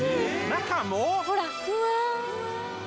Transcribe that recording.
中も！？